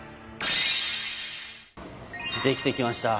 できてきました。